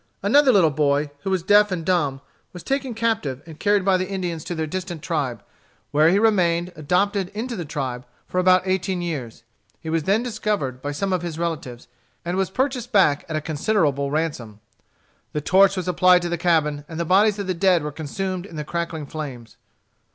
Another little boy, who was deaf and dumb, was taken captive and carried by the Indians to their distant tribe, where he remained, adopted into the tribe, for about eighteen years. He was then discovered by some of his relatives, and was purchased back at a considerable ransom. The torch was applied to the cabin, and the bodies of the dead were consumed in the crackling flames.